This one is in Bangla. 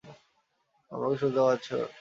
আমাকে শুনতে পারছ?